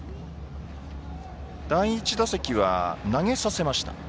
第１打席は投げさせました。